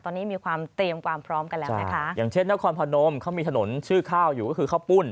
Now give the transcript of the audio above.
ตอนนี้มีความเตรียมความพร้อมกันแล้วนะคะอย่างเช่นนครพนมเขามีถนนชื่อข้าวอยู่ก็คือข้าวปุ้น